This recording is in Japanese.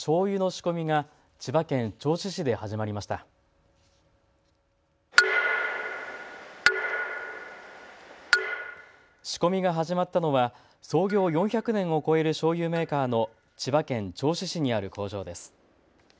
仕込みが始まったのは創業４００年を超えるしょうゆメーカーの千葉県銚子市にある工場です。